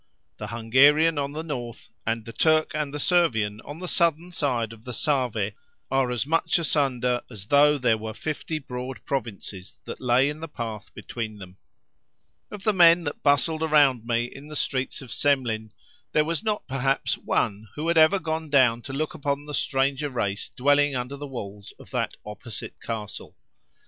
The Hungarian on the north, and the Turk and Servian on the southern side of the Save are as much asunder as though there were fifty broad provinces that lay in the path between them. Of the men that bustled around me in the streets of Semlin there was not, perhaps, one who had ever gone down to look upon the stranger race dwelling under the walls of that opposite castle.